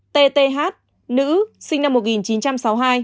bốn tth nữ sinh năm một nghìn chín trăm sáu mươi hai